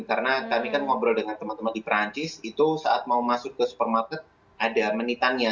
karena kami kan ngobrol dengan teman teman di perancis itu saat mau masuk ke supermarket ada menitannya